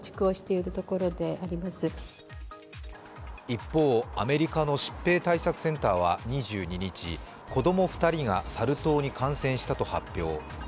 一方、アメリカの疾病対策センターは２２日子供２人がサル痘に感染したと発表。